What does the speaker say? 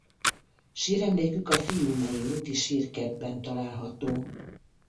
Síremlékük a Fiumei Úti Sírkertben található.